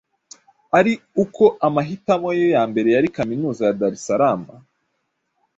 ari uko amahitamo ye ya mbere yari Kaminuza ya Dar es Salaam